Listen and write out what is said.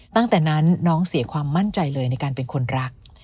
ตั้งแต่นั้นน้องเสียความมั่นใจเลยในการเป็นคนรัก